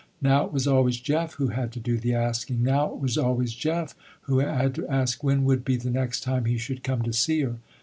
Now it was always Jeff who had to do the asking. Now it was always Jeff who had to ask when would be the next time he should come to see her.